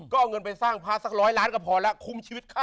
ก็เอาเงินไปสร้างพระสักร้อยล้านก็พอแล้วคุ้มชีวิตเขา